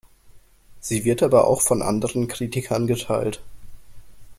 Sie wird aber auch von anderen Kritikern geteilt.